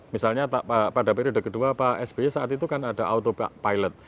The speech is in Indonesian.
misalnya pada periode kedua pak sby saat itu kan ada autopilot